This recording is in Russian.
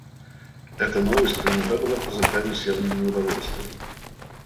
Эта новость принята была казаками с явным неудовольствием.